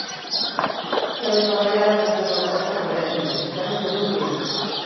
Quero traballar ata que o meu corpo rebente, quero ser útil!